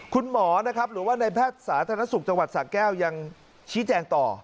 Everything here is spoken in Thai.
คุณหมอนะครับหรือว่าในแพทย์สาธารณสุขจังหวัดสะแก้วยังชี้แจงต่อ